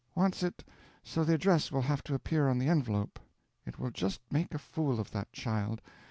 "Wants it so the address will have to appear on the envelop. It will just make a fool of that child.